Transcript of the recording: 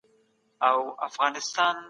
ګله